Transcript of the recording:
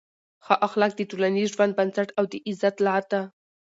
ښه اخلاق د ټولنیز ژوند بنسټ او د عزت لار ده.